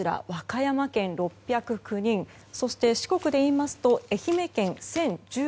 また、和歌山県、６０９人そして四国でいいますと愛媛県１０１４人。